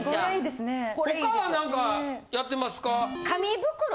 他は何かやってますか？